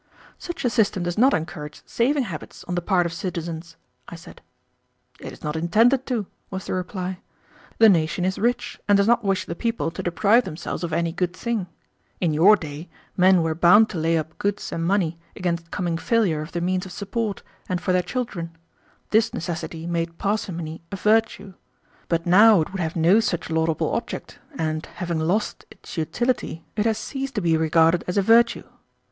"Such a system does not encourage saving habits on the part of citizens," I said. "It is not intended to," was the reply. "The nation is rich, and does not wish the people to deprive themselves of any good thing. In your day, men were bound to lay up goods and money against coming failure of the means of support and for their children. This necessity made parsimony a virtue. But now it would have no such laudable object, and, having lost its utility, it has ceased to be regarded as a virtue.